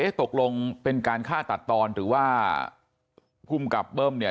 ตกลงเป็นการฆ่าตัดตอนหรือว่าภูมิกับเบิ้มเนี่ย